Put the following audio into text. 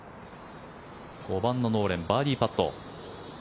５番のノーレンバーディーパット。